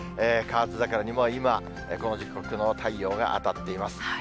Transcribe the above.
河津桜にも今、この時刻の太陽が当たっています。